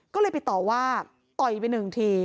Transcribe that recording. ก็เลยไปต่อว่าต่อยไปหนึ่งที